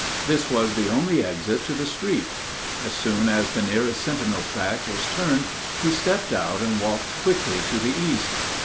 This was the only exit to the street. As soon as the nearest sentinel's back was turned he stepped out and walked quickly to the east.